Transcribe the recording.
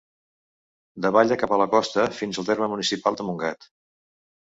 Davalla cap a la costa fins al terme municipal de Montgat.